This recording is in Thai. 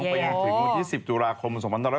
ไปยังถึงวันที่๑๐ตุลาคม